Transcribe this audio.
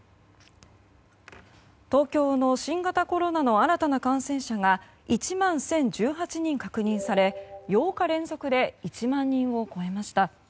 東京の新型コロナの新たな感染者が１万１０１８人確認され８日連続で１万人を超えました。